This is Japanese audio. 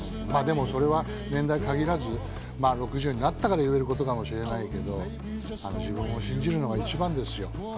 それは年代限らず、６０になったから言えることかもしれないけど、自分を信じるのが一番ですよ。